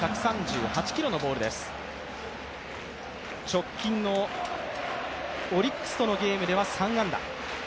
直近のオリックスとのゲームでは３安打。